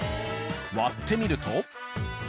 割ってみると。